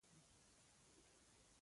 دا زما د ژوند وروستی الهام او تصور و.